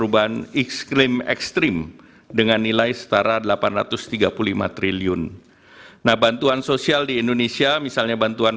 bantuan pangan di indonesia itu delapan tiga triliun